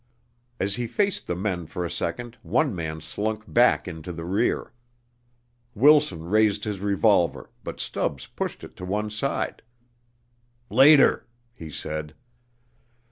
As he faced the men for a second, one man slunk back into the rear. Wilson raised his revolver, but Stubbs pushed it to one side. "Later," he said.